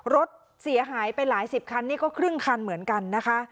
รถเสียหายไปหลายสิบคันนี่ก็ครึ่งคันเหมือนกันนะคะ